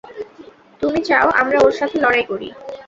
তুমি চাও আমরা ওর সাথে লড়াই করি?